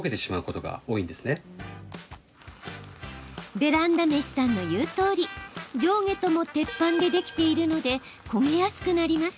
ベランダ飯さんの言うとおり上下とも鉄板でできているので焦げやすくなります。